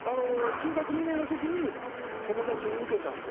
中学２年の時に友達にウケたんで。